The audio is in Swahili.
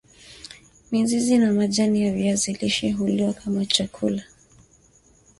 mizizi na majani ya viazi lishe huliwa kama chakula